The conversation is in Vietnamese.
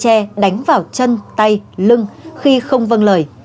cơ quan điều tra không bảo chân tay lưng khi không vâng lời